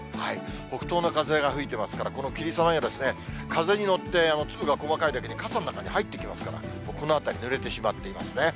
北東の風が吹いてますから、この霧雨が風に乗って粒が細かいだけに傘の中に入ってきますから、この辺りぬれてしまっていますね。